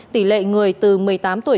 tỷ lệ người từ một mươi tám tuổi